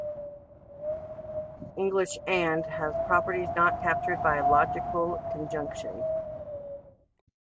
English "and" has properties not captured by logical conjunction.